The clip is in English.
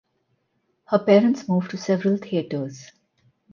Her parents moved to several theatres.